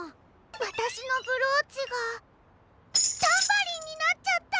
わたしのブローチがタンバリンになっちゃった！